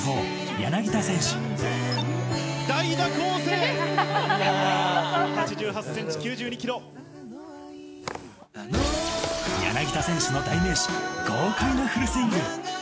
柳田選手の代名詞、豪快なフルスイング。